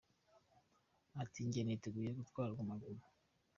Ati: “Njye niteguye gutwara Guma Guma.